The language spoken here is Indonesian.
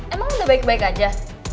emang udah baik baik aja